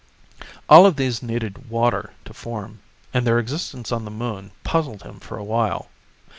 All of these needed water to form, and their existence on the Moon puzzled him for a while.